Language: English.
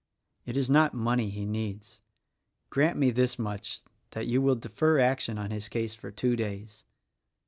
It is not money he needs. Grant me this much that you will defer action on his case for two days."